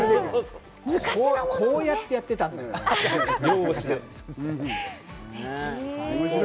こうやってやってたんだから。